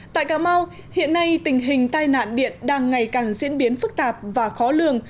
tại cà mau hiện nay tình hình tai nạn điện đang ngày càng diễn biến phức tạp và khó lường